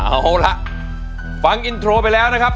เอาล่ะฟังอินโทรไปแล้วนะครับ